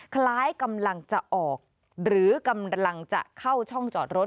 คล้ายกำลังจะออกหรือกำลังจะเข้าช่องจอดรถ